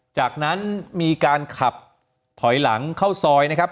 จากนั้นมีการขับถอยหลังเข้าซอยนะครับ